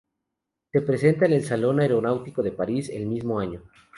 Se presentó en el Salón Aeronáutico de París el mismo año.